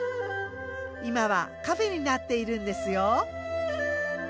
今はカフェになっているんですよ。